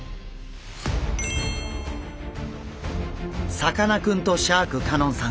さかなクンとシャーク香音さん